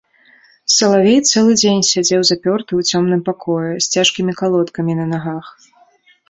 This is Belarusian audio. Салавей цэлы дзень сядзеў запёрты ў цёмным пакоі, з цяжкімі калодкамі на нагах.